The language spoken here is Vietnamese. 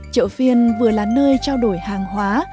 chợ phiên vừa là nơi trao đổi hàng hóa